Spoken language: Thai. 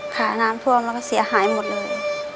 ค่ะน้ำท่วมแล้วก็เสียหายหมดเลย